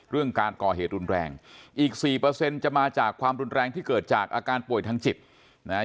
การก่อเหตุรุนแรงอีก๔จะมาจากความรุนแรงที่เกิดจากอาการป่วยทางจิตนะฮะ